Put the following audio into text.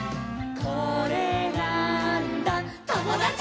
「これなーんだ『ともだち！』」